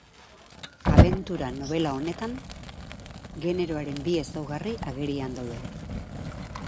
Abentura nobela honetan generoaren bi ezaugarri agerian daude.